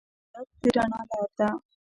ادبیات د رڼا لار ده.